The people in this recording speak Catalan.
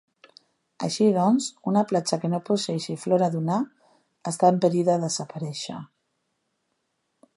Així doncs, una platja que no posseeixi flora dunar està en perill de desaparèixer.